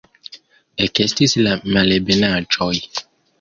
Ekestis la malebenaĵoj.